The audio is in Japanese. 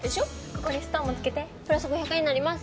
ここにストーンもつけてプラス５００円になります